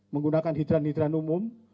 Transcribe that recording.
menggunakan hidran hidran umum